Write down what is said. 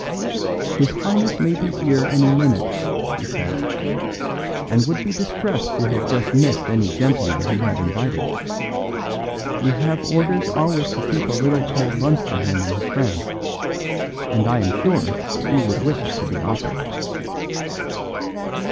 "His Highness may be here any minute," he said, "and would be distressed to have just missed any gentleman he had invited. We have orders always to keep a little cold lunch for him and his friends, and I am sure he would wish it to be offered."